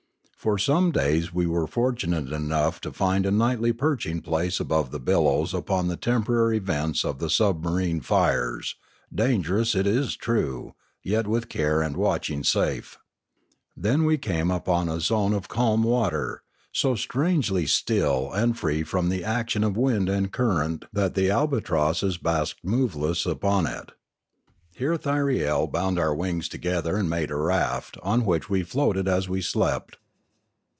For some days we were fortunate enough to find a nightly perching place above the billows upon the temporary vents of the sub marine fires, dangerous it is true, yet with care and watching safe. Then we came upon a zone of calm water, so strangely still and free from the action of wind and current that the albatrosses basked moveless 704 Limanora upon it. Here Thyriel .bound our wings together and made a raft, on which we floated as we slept.